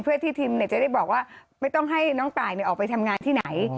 เพื่อที่ทิมจะได้บอกว่าไม่ต้องให้น้องตายออกไปทำงานที่ไหน